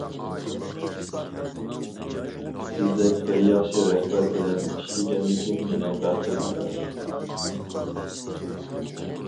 سىزدەك بىر ياخشى رەھبەر بىلەن ئىشلىگەنلىكىم مىنىڭ بەختىم ئاكا.